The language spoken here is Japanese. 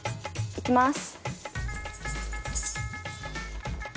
いきます。